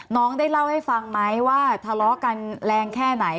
น้องได้เล่าให้ฟังไหมว่าทะเลาะกันแรงแค่ไหน